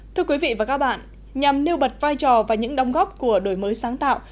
thưa quý vị và các bạn nhằm nêu bật vai trò và những đóng góp của đổi mới sáng tạo